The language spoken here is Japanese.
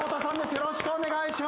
よろしくお願いします。